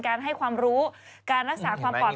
การให้ความรู้การรักษาความปลอด